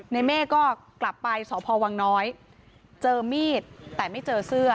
เมฆก็กลับไปสพวังน้อยเจอมีดแต่ไม่เจอเสื้อ